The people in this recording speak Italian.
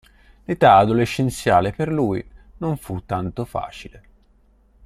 L'età adolescenziale per lui non fu tanto facile.